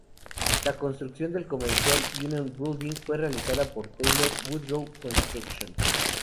La construcción del Commercial Union Building fue realizada por Taylor Woodrow Construction.